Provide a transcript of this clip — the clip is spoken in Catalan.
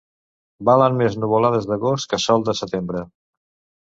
Valen més nuvolades d'agost que sol de setembre.